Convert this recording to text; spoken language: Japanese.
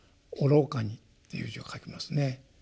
愚かにっていう字を書きますね。